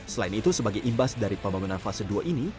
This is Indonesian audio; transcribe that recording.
selain itu sebagai imbas dari pembangunan fase dua ini